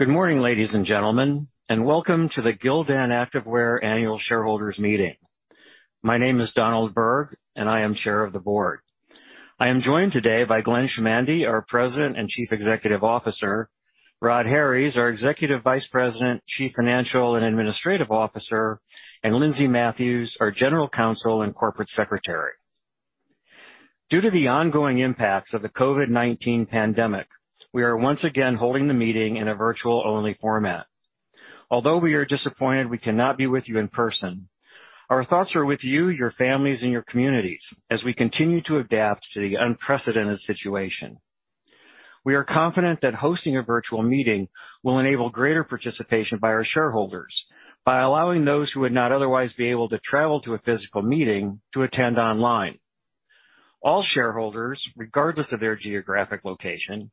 Good morning, ladies and gentlemen. Welcome to the Gildan Activewear Annual Shareholders Meeting. My name is Donald Berg, and I am Chair of the Board. I am joined today by Glenn Chamandy, our President and Chief Executive Officer, Rhod Harries, our Executive Vice President, Chief Financial and Administrative Officer, and Lindsay Matthews, our General Counsel and Corporate Secretary. Due to the ongoing impacts of the COVID-19 pandemic, we are once again holding the meeting in a virtual-only format. Although we are disappointed we cannot be with you in person, our thoughts are with you, your families, and your communities as we continue to adapt to the unprecedented situation. We are confident that hosting a virtual meeting will enable greater participation by our shareholders by allowing those who would not otherwise be able to travel to a physical meeting to attend online. All shareholders, regardless of their geographic location,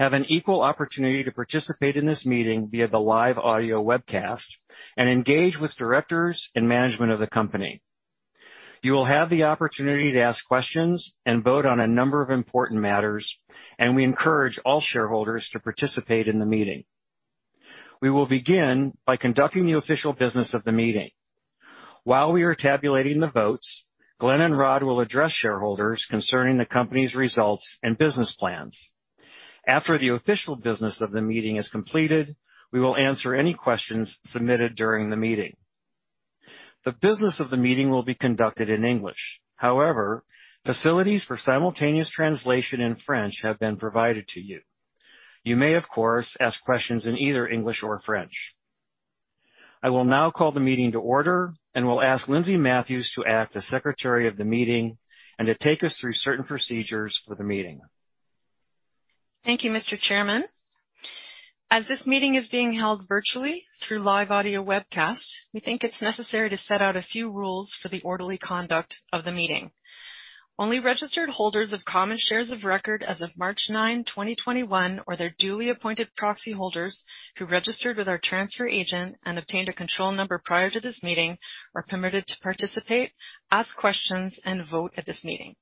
have an equal opportunity to participate in this meeting via the live audio webcast and engage with directors and management of the company. You will have the opportunity to ask questions and vote on a number of important matters, and we encourage all shareholders to participate in the meeting. We will begin by conducting the official business of the meeting. While we are tabulating the votes, Glenn and Rhod will address shareholders concerning the company's results and business plans. After the official business of the meeting is completed, we will answer any questions submitted during the meeting. The business of the meeting will be conducted in English. However, facilities for simultaneous translation in French have been provided to you. You may, of course, ask questions in either English or French. I will now call the meeting to order and will ask Lindsay Matthews to act as secretary of the meeting and to take us through certain procedures for the meeting. Thank you, Mr. Chairman. As this meeting is being held virtually through live audio webcast, we think it's necessary to set out a few rules for the orderly conduct of the meeting. Only registered holders of common shares of record as of March 9, 2021, or their duly appointed proxy holders who registered with our transfer agent and obtained a control number prior to this meeting, are permitted to participate, ask questions, and vote at this meeting.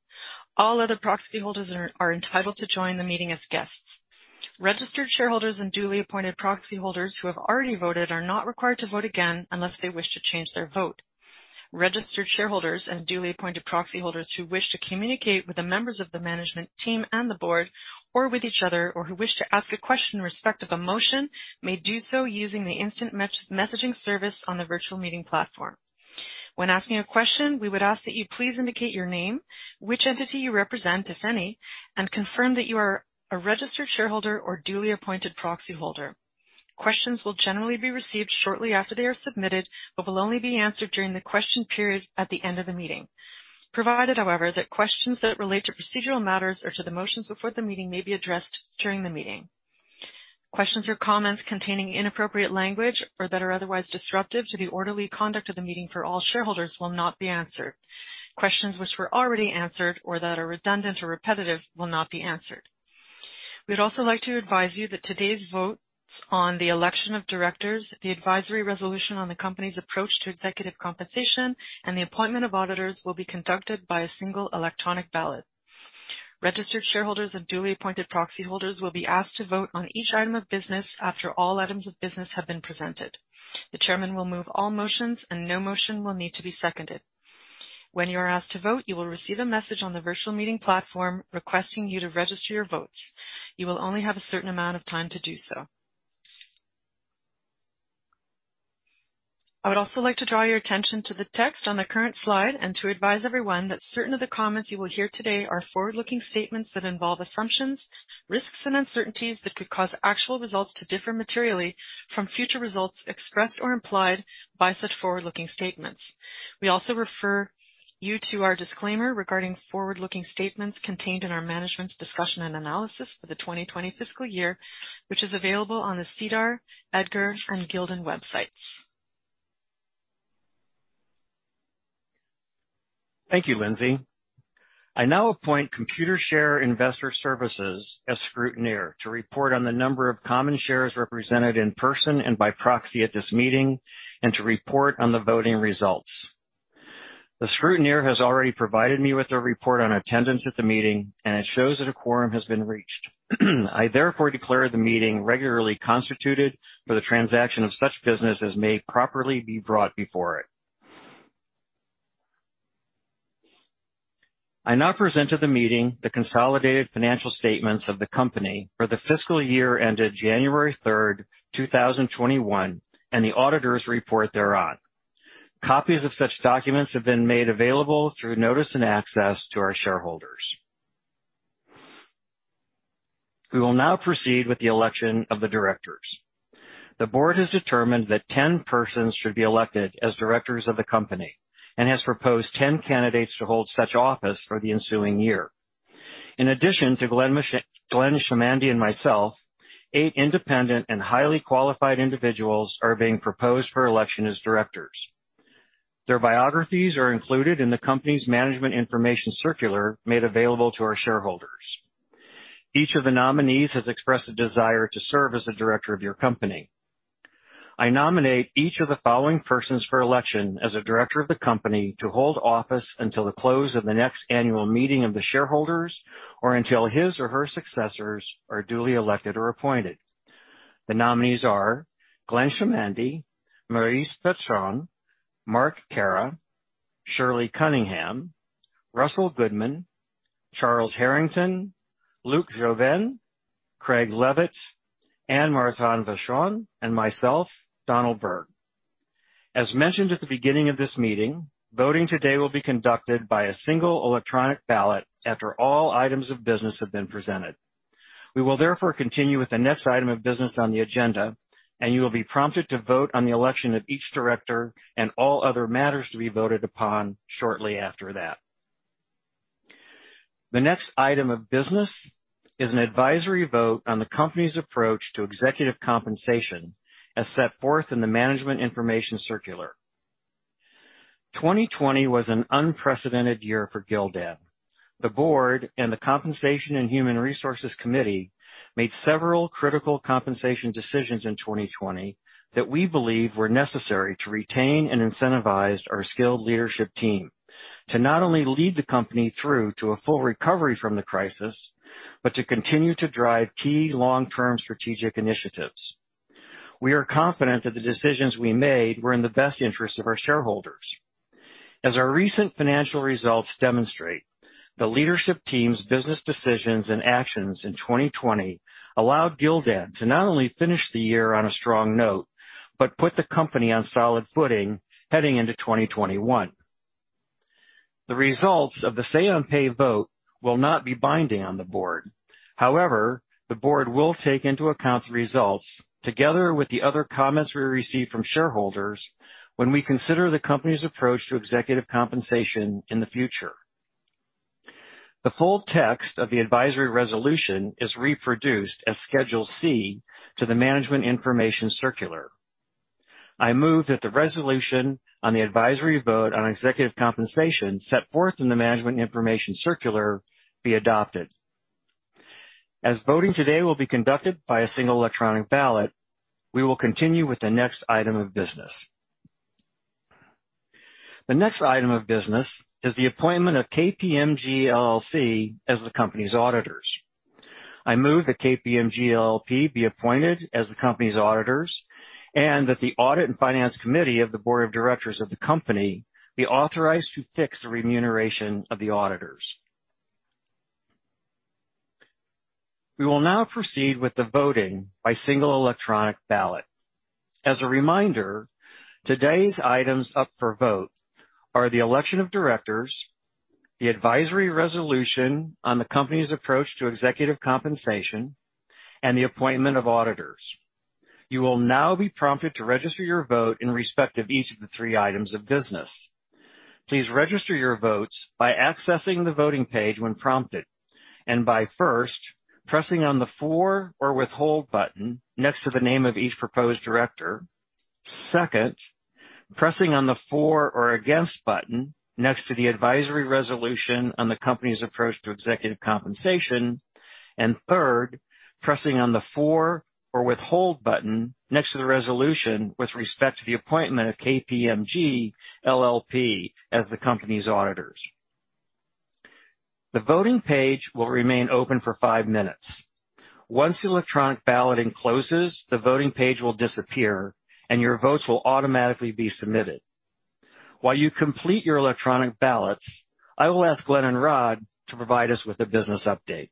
All other proxy holders are entitled to join the meeting as guests. Registered shareholders and duly appointed proxy holders who have already voted are not required to vote again unless they wish to change their vote. Registered shareholders and duly appointed proxy holders who wish to communicate with the members of the management team and the board or with each other or who wish to ask a question respective of motion may do so using the instant messaging service on the virtual meeting platform. When asking a question, we would ask that you please indicate your name, which entity you represent, if any, and confirm that you are a registered shareholder or duly appointed proxy holder. Questions will generally be received shortly after they are submitted but will only be answered during the question period at the end of the meeting. Provided, however, that questions that relate to procedural matters or to the motions before the meeting may be addressed during the meeting. Questions or comments containing inappropriate language or that are otherwise disruptive to the orderly conduct of the meeting for all shareholders will not be answered. Questions which were already answered or that are redundant or repetitive will not be answered. We'd also like to advise you that today's votes on the election of directors, the advisory resolution on the company's approach to executive compensation, and the appointment of auditors will be conducted by a single electronic ballot. Registered shareholders and duly appointed proxy holders will be asked to vote on each item of business after all items of business have been presented. The chairman will move all motions, and no motion will need to be seconded. When you are asked to vote, you will receive a message on the virtual meeting platform requesting you to register your votes. You will only have a certain amount of time to do so. I would also like to draw your attention to the text on the current slide and to advise everyone that certain of the comments you will hear today are forward-looking statements that involve assumptions, risks, and uncertainties that could cause actual results to differ materially from future results expressed or implied by such forward-looking statements. We also refer you to our disclaimer regarding forward-looking statements contained in our management's discussion and analysis for the 2020 fiscal year, which is available on the SEDAR, EDGAR, and Gildan websites. Thank you, Lindsay. I now appoint Computershare Investor Services as scrutineer to report on the number of common shares represented in person and by proxy at this meeting and to report on the voting results. The scrutineer has already provided me with a report on attendance at the meeting, and it shows that a quorum has been reached. I therefore declare the meeting regularly constituted for the transaction of such business as may properly be brought before it. I now present to the meeting the consolidated financial statements of the company for the fiscal year ended January 3rd, 2021, and the auditors report thereon. Copies of such documents have been made available through notice and access to our shareholders. We will now proceed with the election of the directors. The board has determined that 10 persons should be elected as directors of the company and has proposed 10 candidates to hold such office for the ensuing year. In addition to Glenn Chamandy and myself, eight independent and highly qualified individuals are being proposed for election as directors. Their biographies are included in the company's management information circular made available to our shareholders. Each of the nominees has expressed a desire to serve as a director of your company. I nominate each of the following persons for election as a director of the company to hold office until the close of the next annual meeting of the shareholders, or until his or her successors are duly elected or appointed. The nominees are Glenn Chamandy, Maryse Bertrand, Marc Caira, Shirley Cunningham, Russell Goodman, Charles Herington, Luc Jobin, Craig Leavitt, Anne Martin-Vachon, and myself, Donald Berg. As mentioned at the beginning of this meeting, voting today will be conducted by a single electronic ballot after all items of business have been presented. We will therefore continue with the next item of business on the agenda, and you will be prompted to vote on the election of each director and all other matters to be voted upon shortly after that. The next item of business is an advisory vote on the company's approach to executive compensation as set forth in the management information circular. 2020 was an unprecedented year for Gildan. The board and the compensation and human resources committee made several critical compensation decisions in 2020 that we believe were necessary to retain and incentivize our skilled leadership team to not only lead the company through to a full recovery from the crisis, but to continue to drive key long-term strategic initiatives. We are confident that the decisions we made were in the best interest of our shareholders. As our recent financial results demonstrate, the leadership team's business decisions and actions in 2020 allowed Gildan to not only finish the year on a strong note, but put the company on solid footing heading into 2021. The results of the say on pay vote will not be binding on the board. However, the board will take into account the results, together with the other comments we receive from shareholders, when we consider the company's approach to executive compensation in the future. The full text of the advisory resolution is reproduced as Schedule C to the management information circular. I move that the resolution on the advisory vote on executive compensation set forth in the management information circular be adopted. As voting today will be conducted by a single electronic ballot, we will continue with the next item of business. The next item of business is the appointment of KPMG LLP as the company's auditors. I move that KPMG LLP be appointed as the company's auditors, and that the audit and finance committee of the board of directors of the company be authorized to fix the remuneration of the auditors. We will now proceed with the voting by single electronic ballot. As a reminder, today's items up for vote are the election of directors, the advisory resolution on the company's approach to executive compensation, and the appointment of auditors. You will now be prompted to register your vote in respect of each of the three items of business. Please register your votes by accessing the voting page when prompted, and by first pressing on the for or withhold button next to the name of each proposed director. Second, pressing on the for or against button next to the advisory resolution on the company's approach to executive compensation. Third, pressing on the for or withhold button next to the resolution with respect to the appointment of KPMG LLP as the company's auditors. The voting page will remain open for five minutes. Once the electronic balloting closes, the voting page will disappear, and your votes will automatically be submitted. While you complete your electronic ballots, I will ask Glenn and Rhod to provide us with a business update.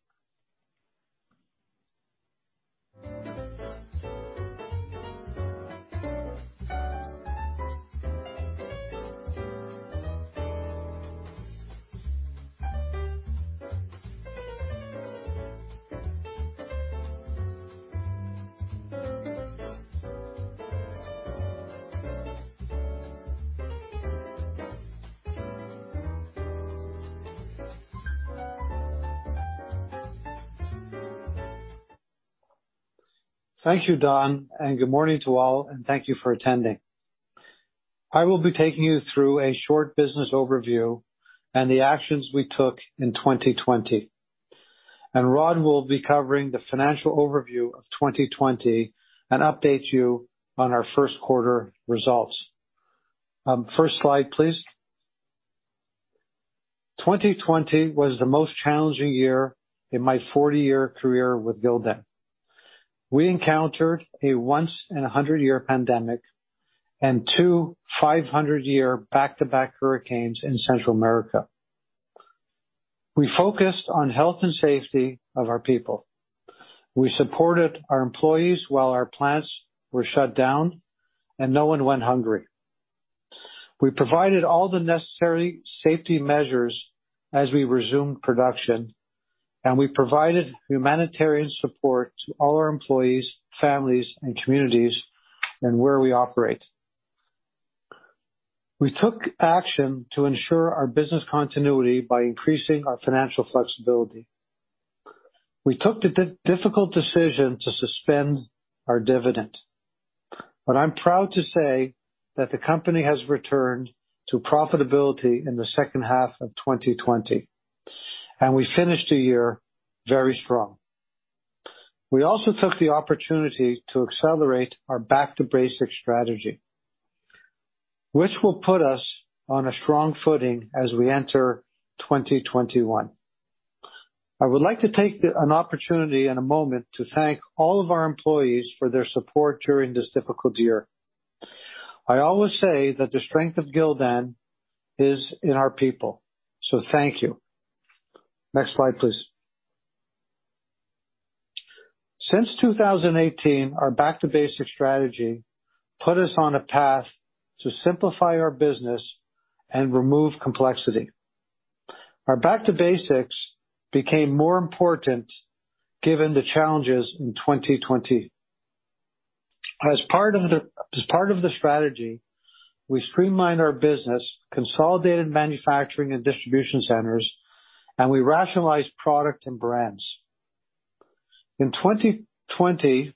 Thank you, Don, and good morning to all, and thank you for attending. I will be taking you through a short business overview and the actions we took in 2020. Rhod will be covering the financial overview of 2020 and update you on our first quarter results. First slide, please. 2020 was the most challenging year in my 40-year career with Gildan. We encountered a once in a 100-year pandemic and two 500-year back-to-back hurricanes in Central America. We focused on health and safety of our people. We supported our employees while our plants were shut down, and no one went hungry. We provided all the necessary safety measures as we resumed production, and we provided humanitarian support to all our employees, families, and communities in where we operate. We took action to ensure our business continuity by increasing our financial flexibility. We took the difficult decision to suspend our dividend. I'm proud to say that the company has returned to profitability in the second half of 2020. We finished the year very strong. We also took the opportunity to accelerate our Back to Basics strategy, which will put us on a strong footing as we enter 2021. I would like to take an opportunity and a moment to thank all of our employees for their support during this difficult year. I always say that the strength of Gildan is in our people. Thank you. Next slide, please. Since 2018, our Back to Basics strategy put us on a path to simplify our business and remove complexity. Our Back to Basics became more important given the challenges in 2020. As part of the strategy, we streamlined our business, consolidated manufacturing and distribution centers. We rationalized product and brands. In 2020,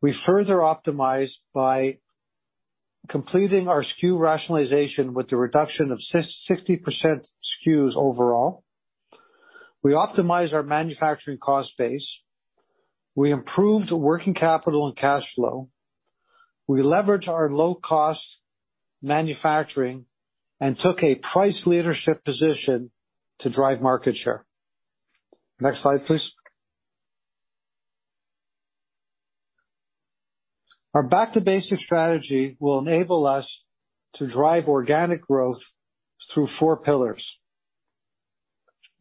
we further optimized by completing our SKU rationalization with the reduction of 60% SKUs overall. We optimized our manufacturing cost base. We improved working capital and cash flow. We leveraged our low-cost manufacturing and took a price leadership position to drive market share. Next slide, please. Our Back to Basics strategy will enable us to drive organic growth through four pillars.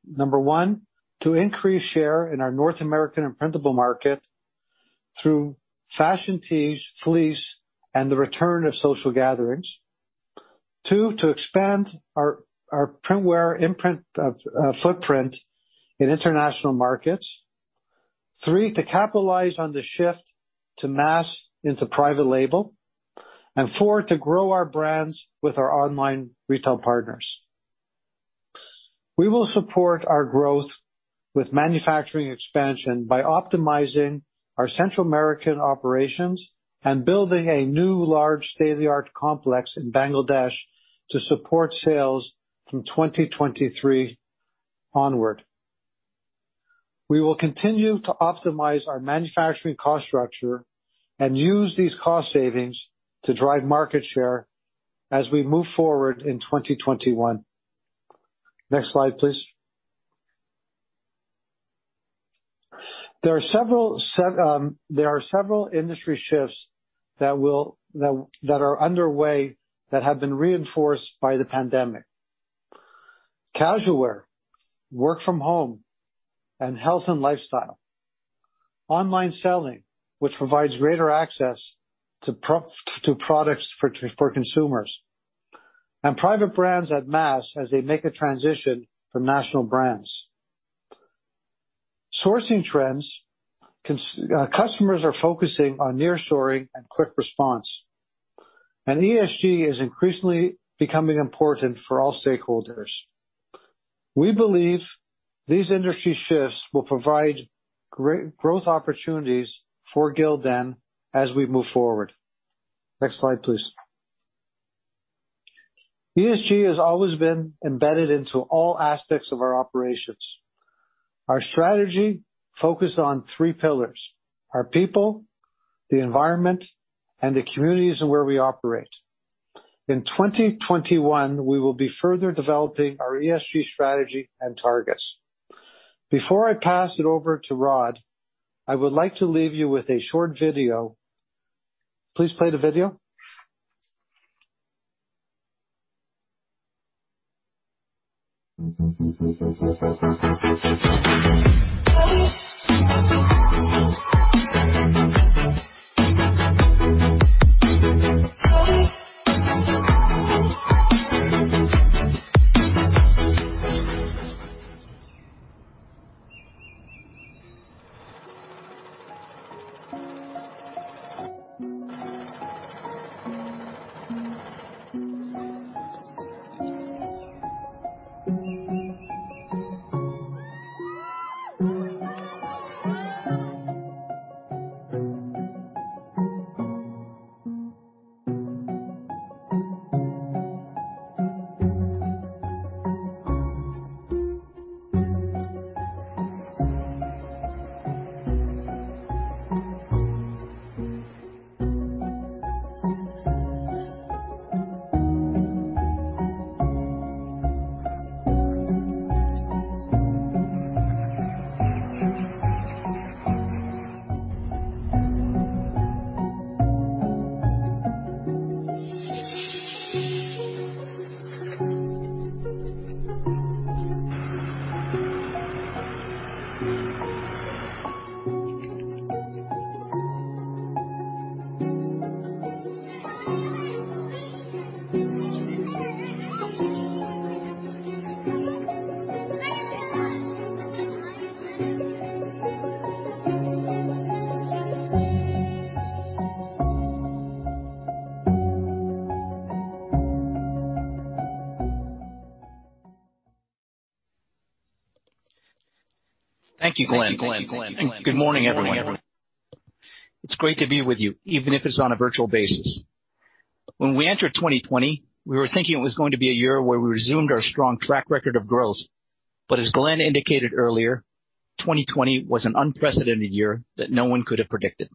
Number one, to increase share in our North American imprintable market through fashion tees, fleece, and the return of social gatherings. Two, to expand our printwear imprint footprint in international markets. Three, to capitalize on the shift to mass into private label. Four, to grow our brands with our online retail partners. We will support our growth with manufacturing expansion by optimizing our Central American operations and building a new large state-of-the-art complex in Bangladesh to support sales from 2023 onward. We will continue to optimize our manufacturing cost structure and use these cost savings to drive market share as we move forward in 2021. Next slide, please. There are several industry shifts that are underway that have been reinforced by the pandemic. Casual wear, work from home, and health and lifestyle. Online selling, which provides greater access to products for consumers. Private brands at mass as they make a transition from national brands. Sourcing trends. Customers are focusing on nearshoring and quick response. ESG is increasingly becoming important for all stakeholders. We believe these industry shifts will provide growth opportunities for Gildan as we move forward. Next slide, please. ESG has always been embedded into all aspects of our operations. Our strategy focused on three pillars, our people, the environment, and the communities in where we operate. In 2021, we will be further developing our ESG strategy and targets. Before I pass it over to Rhod, I would like to leave you with a short video. Please play the video. Thank you, Glenn. Good morning, everyone. It's great to be with you, even if it's on a virtual basis. When we entered 2020, we were thinking it was going to be a year where we resumed our strong track record of growth. As Glenn indicated earlier, 2020 was an unprecedented year that no one could have predicted.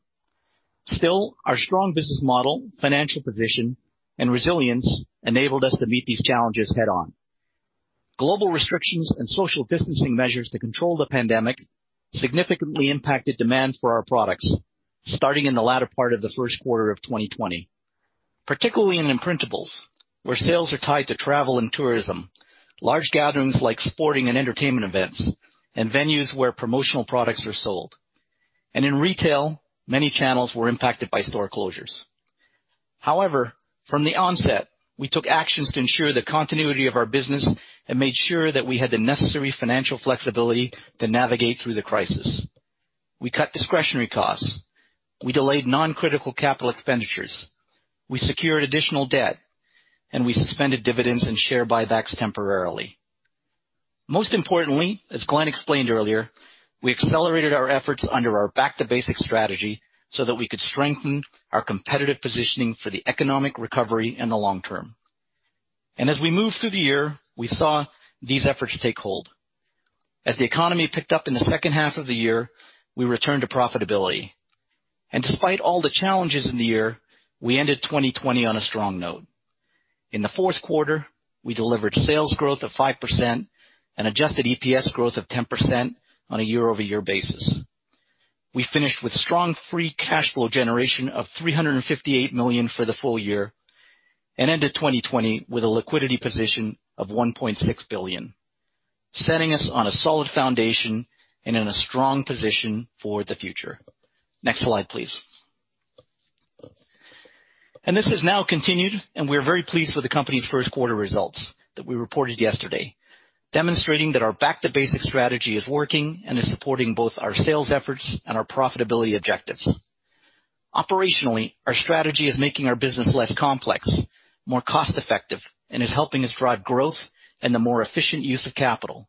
Still, our strong business model, financial position, and resilience enabled us to meet these challenges head on. Global restrictions and social distancing measures to control the pandemic significantly impacted demand for our products, starting in the latter part of the first quarter of 2020. Particularly in imprintables, where sales are tied to travel and tourism, large gatherings like sporting and entertainment events, and venues where promotional products are sold. In retail, many channels were impacted by store closures. However, from the onset, we took actions to ensure the continuity of our business and made sure that we had the necessary financial flexibility to navigate through the crisis. We cut discretionary costs. We delayed non-critical capital expenditures. We secured additional debt, and we suspended dividends and share buybacks temporarily. Most importantly, as Glenn explained earlier, we accelerated our efforts under our Back to Basics strategy so that we could strengthen our competitive positioning for the economic recovery in the long term. As we moved through the year, we saw these efforts take hold. As the economy picked up in the second half of the year, we returned to profitability. Despite all the challenges in the year, we ended 2020 on a strong note. In the fourth quarter, we delivered sales growth of 5% and adjusted EPS growth of 10% on a year-over-year basis. We finished with strong free cash flow generation of $358 million for the full year and ended 2020 with a liquidity position of $1.6 billion, setting us on a solid foundation and in a strong position for the future. Next slide, please. This has now continued, and we are very pleased with the company's first quarter results that we reported yesterday, demonstrating that our Back to Basics strategy is working and is supporting both our sales efforts and our profitability objectives. Operationally, our strategy is making our business less complex, more cost-effective, and is helping us drive growth and the more efficient use of capital.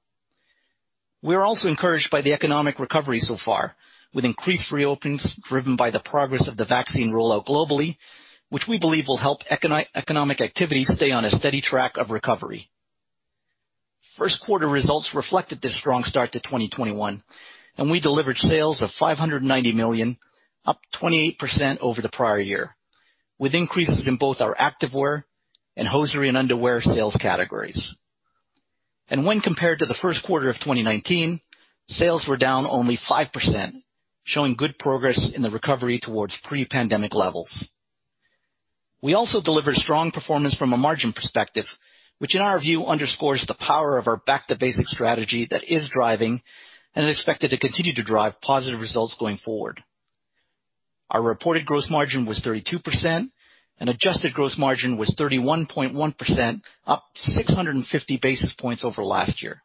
We are also encouraged by the economic recovery so far, with increased reopenings driven by the progress of the vaccine rollout globally, which we believe will help economic activity stay on a steady track of recovery. First quarter results reflected this strong start to 2021, we delivered sales of $590 million, up 28% over the prior year, with increases in both our Activewear and Hosiery and Underwear sales categories. When compared to the first quarter of 2019, sales were down only 5%, showing good progress in the recovery towards pre-pandemic levels. We also delivered strong performance from a margin perspective, which in our view underscores the power of our Back to Basics strategy that is driving and is expected to continue to drive positive results going forward. Our reported gross margin was 32%, adjusted gross margin was 31.1%, up 650 basis points over last year.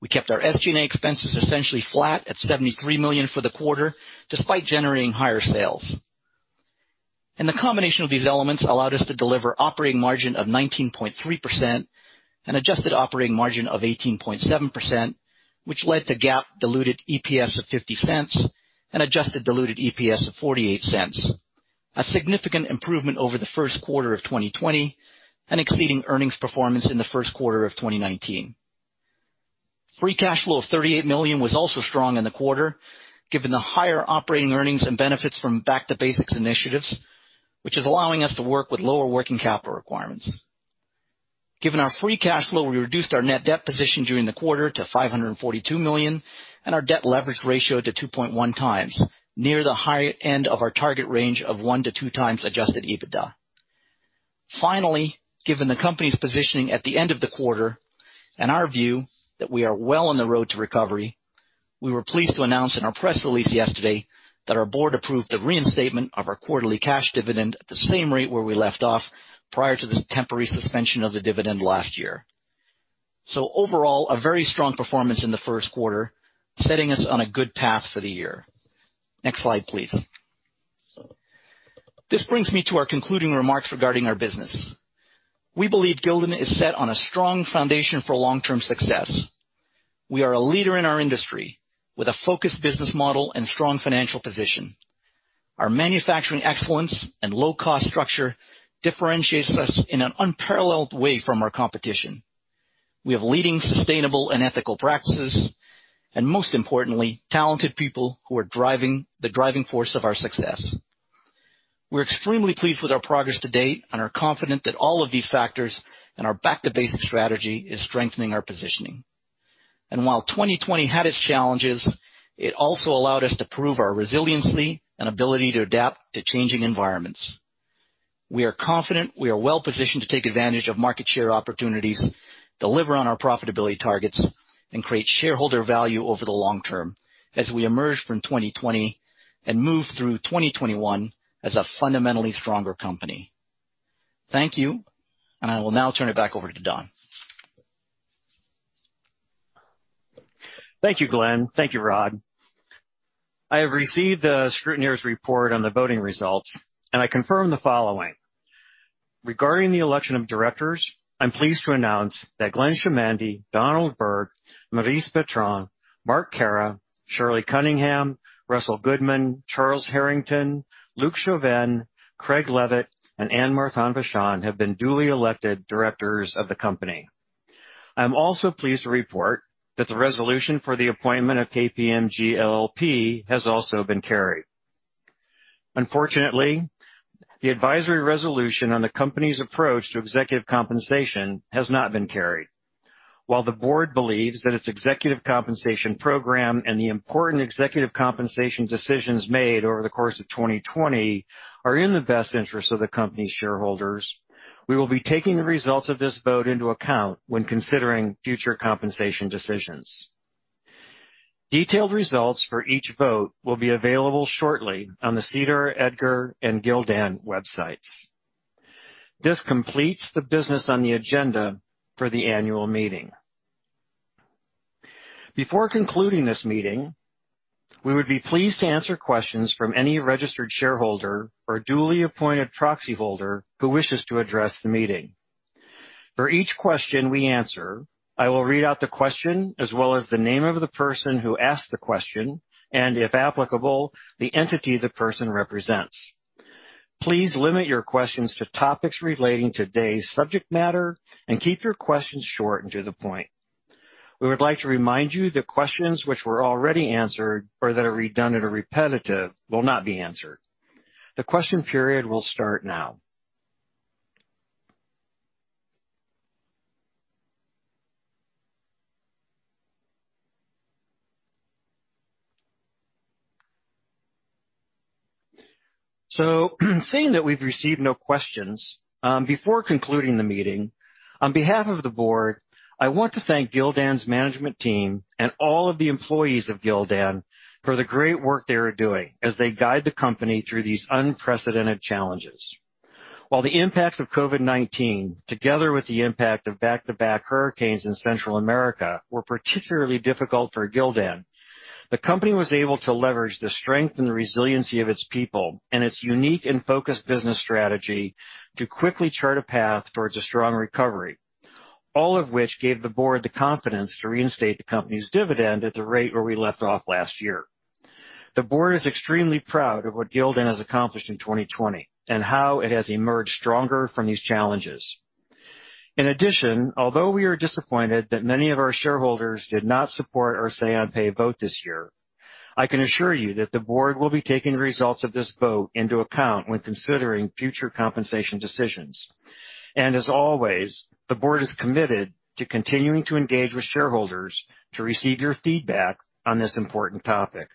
We kept our SG&A expenses essentially flat at $73 million for the quarter, despite generating higher sales. The combination of these elements allowed us to deliver operating margin of 19.3% and adjusted operating margin of 18.7%, which led to GAAP diluted EPS of $0.50 and adjusted diluted EPS of $0.48, a significant improvement over the first quarter of 2020 and exceeding earnings performance in the first quarter of 2019. Free cash flow of $38 million was also strong in the quarter, given the higher operating earnings and benefits from Back to Basics initiatives, which is allowing us to work with lower working capital requirements. Given our free cash flow, we reduced our net debt position during the quarter to $542 million and our debt leverage ratio to 2.1x, near the high end of our target range of 1x-2x adjusted EBITDA. Finally, given the company's positioning at the end of the quarter and our view that we are well on the road to recovery, we were pleased to announce in our press release yesterday that our board approved the reinstatement of our quarterly cash dividend at the same rate where we left off prior to the temporary suspension of the dividend last year. Overall, a very strong performance in the first quarter, setting us on a good path for the year. Next slide, please. This brings me to our concluding remarks regarding our business. We believe Gildan is set on a strong foundation for long-term success. We are a leader in our industry with a focused business model and strong financial position. Our manufacturing excellence and low-cost structure differentiates us in an unparalleled way from our competition. We have leading sustainable and ethical practices, and most importantly, talented people who are the driving force of our success. We're extremely pleased with our progress to date and are confident that all of these factors and our Back to Basics strategy is strengthening our positioning. While 2020 had its challenges, it also allowed us to prove our resiliency and ability to adapt to changing environments. We are confident we are well-positioned to take advantage of market share opportunities, deliver on our profitability targets, and create shareholder value over the long term as we emerge from 2020 and move through 2021 as a fundamentally stronger company. Thank you, and I will now turn it back over to Don. Thank you, Glenn. Thank you, Rhod. I have received the scrutineer's report on the voting results, and I confirm the following. Regarding the election of directors, I'm pleased to announce that Glenn Chamandy, Donald Berg, Maryse Bertrand, Marc Caira, Shirley Cunningham, Russell Goodman, Charles Herington, Luc Jobin, Craig Leavitt, and Anne Martin-Vachon have been duly elected directors of the company. I am also pleased to report that the resolution for the appointment of KPMG LLP has also been carried. Unfortunately, the advisory resolution on the company's approach to executive compensation has not been carried. While the board believes that its executive compensation program and the important executive compensation decisions made over the course of 2020 are in the best interest of the company's shareholders, we will be taking the results of this vote into account when considering future compensation decisions. Detailed results for each vote will be available shortly on the SEDAR, EDGAR, and Gildan websites. This completes the business on the agenda for the annual meeting. Before concluding this meeting, we would be pleased to answer questions from any registered shareholder or duly appointed proxy holder who wishes to address the meeting. For each question we answer, I will read out the question as well as the name of the person who asked the question, and if applicable, the entity the person represents. Please limit your questions to topics relating today's subject matter and keep your questions short and to the point. We would like to remind you that questions which were already answered or that are redundant or repetitive will not be answered. The question period will start now. Seeing that we've received no questions, before concluding the meeting, on behalf of the board, I want to thank Gildan's management team and all of the employees of Gildan for the great work they are doing as they guide the company through these unprecedented challenges. While the impacts of COVID-19, together with the impact of back-to-back hurricanes in Central America, were particularly difficult for Gildan, the company was able to leverage the strength and resiliency of its people and its unique and focused business strategy to quickly chart a path towards a strong recovery. All of which gave the board the confidence to reinstate the company's dividend at the rate where we left off last year. The board is extremely proud of what Gildan has accomplished in 2020 and how it has emerged stronger from these challenges. In addition, although we are disappointed that many of our shareholders did not support our say on pay vote this year, I can assure you that the board will be taking the results of this vote into account when considering future compensation decisions. As always, the board is committed to continuing to engage with shareholders to receive your feedback on this important topic.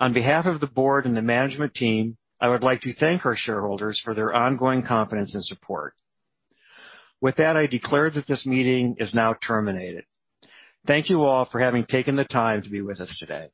On behalf of the board and the management team, I would like to thank our shareholders for their ongoing confidence and support. With that, I declare that this meeting is now terminated. Thank you all for having taken the time to be with us today.